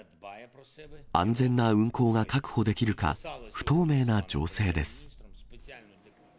安全な運航が確保できるか、不透明な情勢です。